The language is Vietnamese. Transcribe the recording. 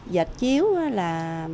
dịch chiếu là